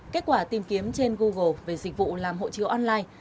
kết quả tìm kiếm trên google về dịch vụ làm hộ chiếu online